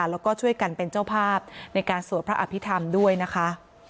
แล้วก็ช่วยกันเป็นเจ้าภาพในการสวดพระอภิษฐรรมด้วยนะคะ